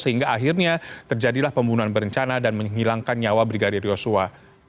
sehingga akhirnya terjadilah pembunuhan berencana dan menghilangkan nyawa brigadir yosua